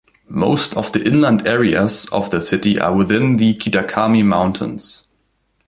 Most of the inland areas of the city are within the Kitakami Mountains.